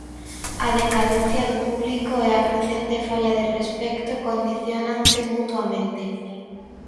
A decadencia do público e a crecente falla de respecto condiciónanse mutuamente.